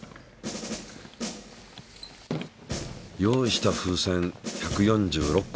用意した風船１４６個。